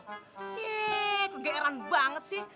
yeeh kegeeran banget sih